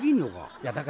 いやだからさ